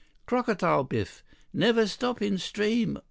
"Crocodile, Biff. Never stop in stream.